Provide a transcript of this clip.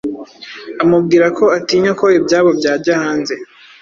amubwira ko atinya ko ibyabo byajya hanze.